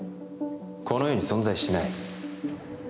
この世に存在しない